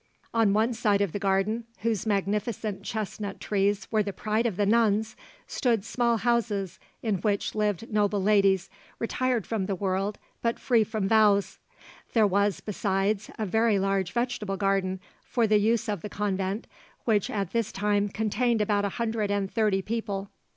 On one side of the garden, whose magnificent chestnut trees were the pride of the nuns, stood small houses in which lived noble ladies retired from the world, but free from vows. There was besides a very large vegetable garden for the use of the convent, which at this time contained about a hundred and thirty people.